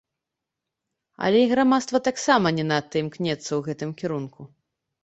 Але і грамадства таксама не надта імкнецца ў гэтым кірунку.